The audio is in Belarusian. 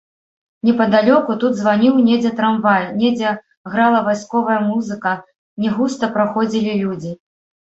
Непадалёку тут званіў недзе трамвай, недзе грала вайсковая музыка, не густа праходзілі людзі.